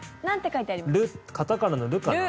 カタカナの「ル」かな。